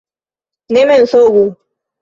Ne mensogu!